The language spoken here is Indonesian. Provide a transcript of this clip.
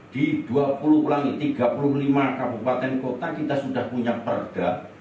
di dua puluh pelangi tiga puluh lima kabupaten kota kita sudah punya perda